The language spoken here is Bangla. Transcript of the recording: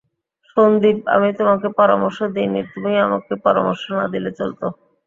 সন্দীপ, আমি তোমাকে পরামর্শ দিই নি, তুমিও আমাকে পরামর্শ না দিলে চলত।